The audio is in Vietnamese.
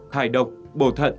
thải độc bổ thận